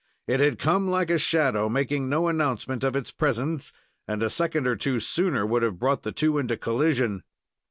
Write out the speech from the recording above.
It had come like a shadow, making no announcement of its presence, and a second or two sooner would have brought the two into collision.